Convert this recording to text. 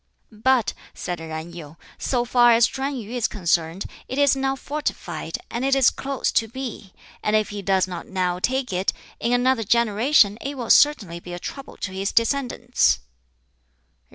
"But," said Yen Yu, "so far as Chuen yu is concerned, it is now fortified, and it is close to Pi; and if he does not now take it, in another generation it will certainly be a trouble to his descendants."